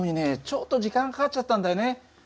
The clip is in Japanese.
ちょっと時間がかかちゃったんだよね。